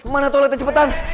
mana toiletnya cepetan